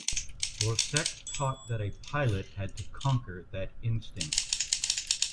Boelcke taught that a pilot had to conquer that instinct.